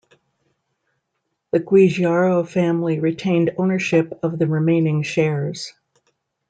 The Giugiaro family retained ownership of the remaining shares.